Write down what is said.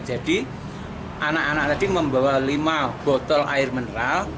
jadi anak anak tadi membawa lima botol air mineral